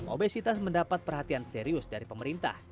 obesitas mendapat perhatian serius dari pemerintah